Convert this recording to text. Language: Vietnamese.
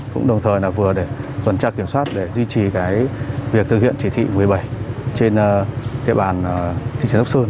cũng đồng thời là vừa để tuần tra kiểm soát để duy trì việc thực hiện chỉ thị một mươi bảy trên địa bàn thị trấn sóc sơn